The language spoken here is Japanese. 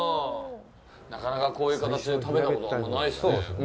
なかなかこういう形で食べたことないっすね。